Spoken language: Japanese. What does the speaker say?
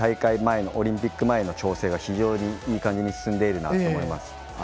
オリンピック前の調整が非常にいい感じに進んでいるなと思います。